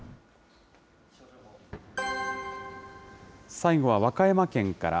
最後は和歌山県から。